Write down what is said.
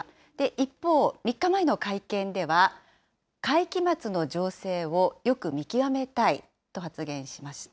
一方、３日前の会見では、会期末の情勢をよく見極めたいと発言しました。